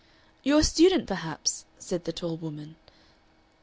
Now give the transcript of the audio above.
"You're a student, perhaps?" said the tall woman.